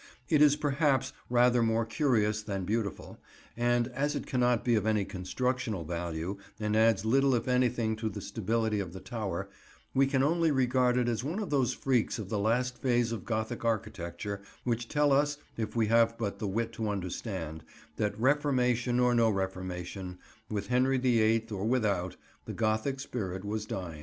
It is perhaps rather more curious than beautiful, and as it cannot be of any constructional value and adds little if anything to the stability of the tower, we can only regard it as one of those freaks of the last phase of Gothic architecture which tell us, if we have but the wit to understand, that, Reformation or no Reformation, with Henry the Eighth or without, the Gothic spirit was dying.